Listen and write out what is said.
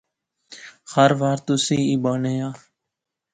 ہر وار تس ایئی بانے آ